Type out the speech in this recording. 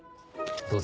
どうぞ。